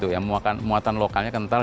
yang muatan lokalnya kental